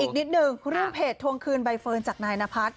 อีกหนึ่งเรื่องเพจทวงคืนใบเฟิร์นจากนายนพัฒน์